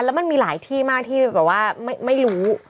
แล้วมันมีหลายที่มากที่แบบว่าไม่รู้